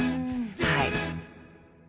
はい。